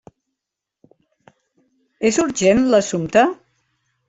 És urgent l'assumpte?